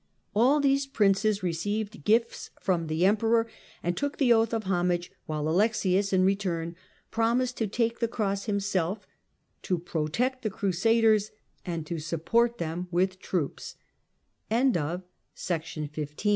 All these princes received gifts from the Emperor and took the oath of homage, while Alexius, in return, promised to take the cross himself, to protect the Crusaders and to support them with troop